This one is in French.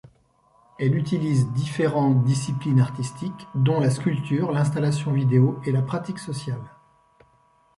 Elle utilise différents disciplines artistiques dont la sculpture, l'installation vidéo et la pratique sociale.